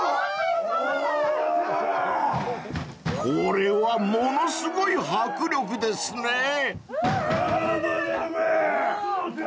［これはものすごい迫力ですね］